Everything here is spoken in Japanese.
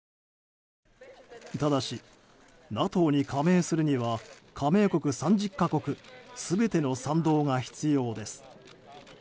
ただし、ＮＡＴＯに加盟するには加盟国３０か国全ての賛同が必要です。